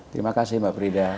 terima kasih mbak frida